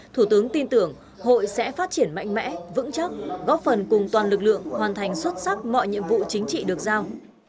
thủ tướng tin tưởng hội sẽ phát triển mạnh mẽ vững chắc góp phần cùng toàn lực lượng hoàn thành xuất sắc mọi nhiệm vụ chính trị được giao